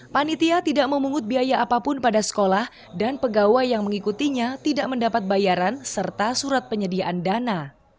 panitia tidak memungut biaya apapun pada sekolah dan pegawai yang mengikutinya tidak mendapat bayaran serta surat penyediaan dana